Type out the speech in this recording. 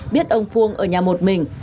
biết ông phuong ở nhà một mình